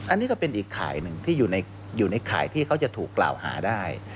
อันนี้ก็เป็นอีกข่ายหนึ่งที่อยู่ในข่ายที่เขาจะถูกกล่าวหาได้